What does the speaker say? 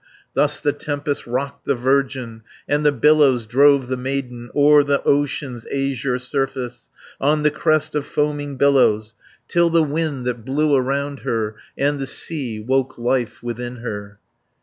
130 Thus the tempest rocked the virgin, And the billows drove the maiden, O'er the ocean's azure surface, On the crest of foaming billows, Till the wind that blew around her, And the sea woke life within her.